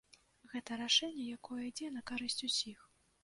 Гэта рашэнне, якое ідзе на карысць усіх.